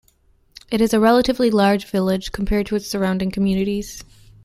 It is a relatively large village compared to its surrounding communities.